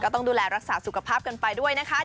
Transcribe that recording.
ต้องดูแลรักษาสุขภาพกันไปด้วยนะคะ